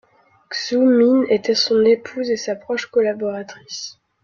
Xu Min était son épouse et sa proche collaboratrice.